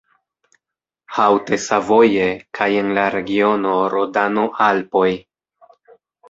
Haute-Savoie kaj en la regiono Rodano-Alpoj.